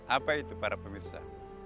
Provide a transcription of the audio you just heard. apa itu para pemirsa